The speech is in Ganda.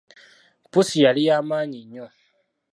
Pussi yali ya maanyi nnyo.